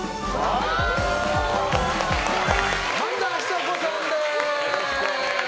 萬田久子さんです！